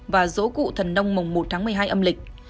và dỗ cụ thần nông mùng một tháng một mươi hai âm lịch